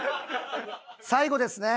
最後ですね。